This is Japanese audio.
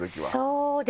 そうですね。